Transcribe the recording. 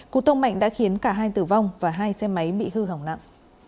cú tông mạnh đã khiến cả hai tử vong và hai xe máy bị hư hỏng nặng